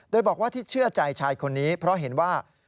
โดยบอกว่าที่เชื่อใจชายคนนี้เพราะเห็นว่า